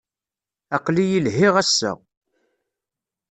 Aql-iyi lhiɣ, ass-a.